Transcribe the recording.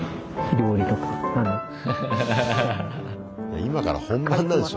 今から本番なんでしょ？